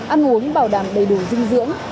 ăn uống bảo đảm đầy đủ dinh dưỡng